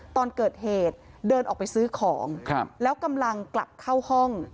ตอนเกิดเหตุเดินออกไปซื้อของแล้วกำลังกลับเข้าห้อง